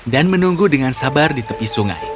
dan menunggu dengan sabar di tepi sungai